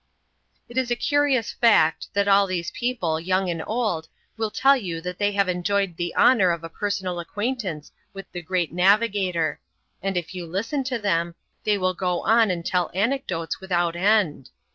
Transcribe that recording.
It is a curious fact, that all these people, young and old, will tell you that they have enjoyed the honour of a personal ac quaintance with the great navigator ; and if you listen to them, they will go on and tell anecdotes without end.